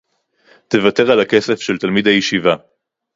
תוותר על הכסף של תלמיד הישיבה